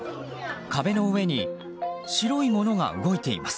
壁の上に白いものが動いています。